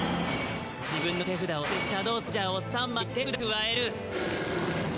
自分の手札を捨てシャドウソルジャーを３枚手札に加える。